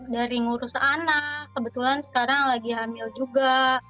dari ngurus anak kebetulan sekarang lagi hamil juga